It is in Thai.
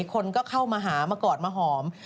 คนก็เข้ามาหามากอดมาหอม